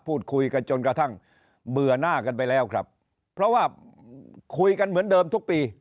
พูดคุยกันจนกระทั่งเบื่อหน้ากันไปแล้วครับเพราะว่าคุยกันเหมือนเดิมทุกปี